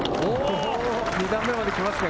２段目まで来ますかね？